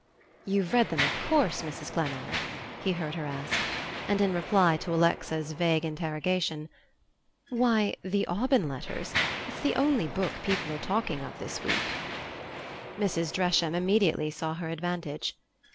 "You've read them, of course, Mrs. Glennard?" he heard her ask; and, in reply to Alexa's vague interrogation "Why, the 'Aubyn Letters' it's the only book people are talking of this week." Mrs. Dresham immediately saw her advantage.